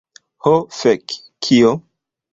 Ho fek. Kio?